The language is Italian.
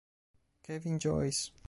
Kevin Joyce